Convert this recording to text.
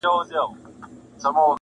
له هوا یوه کومول کښته کتله!!